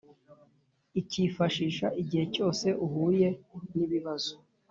ucyifashisha igihe cyose uhuye n ibibazo